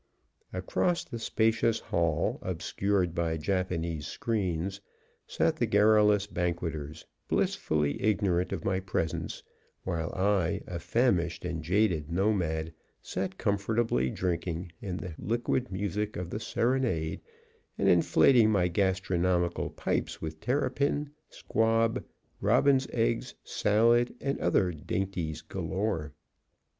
Across the spacious hall, obscured by Japanese screens, sat the garrulous banqueters, blissfully ignorant of my presence, while I, a famished and jaded nomad, sat comfortably drinking in the liquid music of the serenade and inflating my gastronomical pipes with terrapin, squab, robin's eggs, salads and other dainties galore.